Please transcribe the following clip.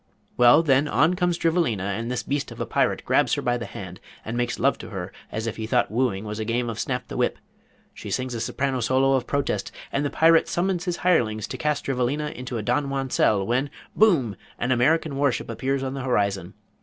Well, then on comes Drivelina and this beast of a Pirate grabs her by the hand and makes love to her as if he thought wooing was a game of snap the whip. She sings a soprano solo of protest and the Pirate summons his hirelings to cast Drivelina into a Donjuan cell when, boom! an American warship appears on the horizon.